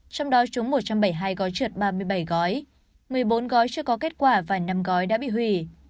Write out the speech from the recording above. trong đó trúng một trăm bảy mươi hai gói trượt ba mươi bảy gói một mươi bốn gói chưa có kết quả và năm gói đã bị hủy